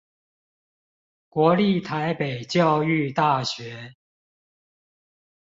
國立臺北教育大學